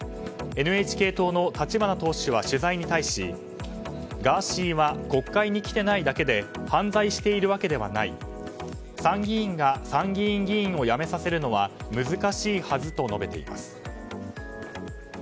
ＮＨＫ党の立花党首は取材に対しガーシーは国会に来てないだけで犯罪しているわけではない参議院が参議院議員を辞めさせるのは難しいはずと述べています。